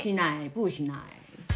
ブーしない。